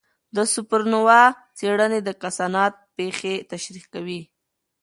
د سوپرنووا څېړنې د کائنات پېښې تشریح کوي.